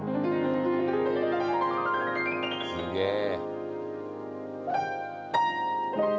すげえ！